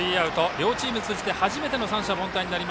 両チーム通じて初めて三者凡退。